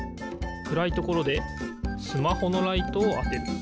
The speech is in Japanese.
くらいところでスマホのライトをあてる。